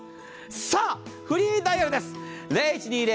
さあ、フリーダイヤルです！